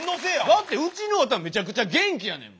だってうちのおとんはめちゃくちゃ元気やねんもん。